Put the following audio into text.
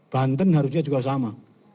banten harusnya juga sama